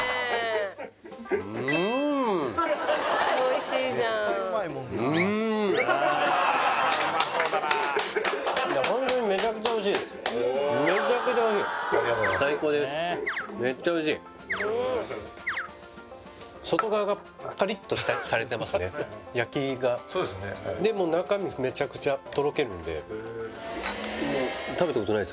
はいでも中身めちゃくちゃとろけるんで・